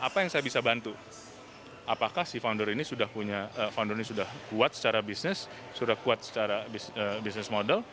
apa yang saya bisa bantu apakah si founder ini sudah kuat secara bisnis sudah kuat secara bisnis model